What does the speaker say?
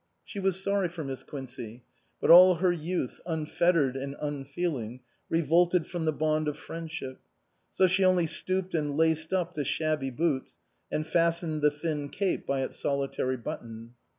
She was sorry for Miss Quincey ; but all her youth, unfettered and unfeeling, revolted from the bond of friendship. So she only stooped and laced up the shabby boots, and fastened the thin cape by its solitary button.